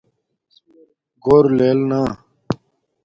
گھور لیل نا